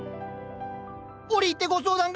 折り入ってご相談が。